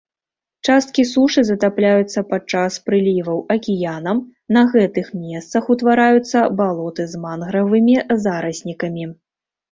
Часткі сушы затапляюцца падчас прыліваў акіянам, на гэтых месцах утвараюцца балоты з мангравымі зараснікамі.